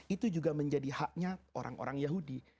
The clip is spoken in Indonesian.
itu juga menjadi haknya orang orang yahudi